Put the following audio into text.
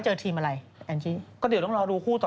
เอาไฟช่วยกันนะ